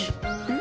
ん？